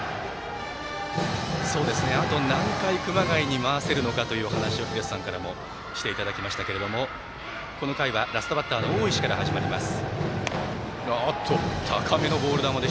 あと何回熊谷に回せるのかというお話を廣瀬さんからもしていただきましたけれどもこの回は、ラストバッター大石から始まります。